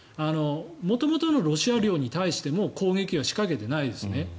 元々のロシア領に対しても攻撃は仕掛けてないですね。